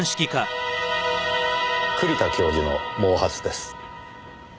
栗田教授の毛髪です。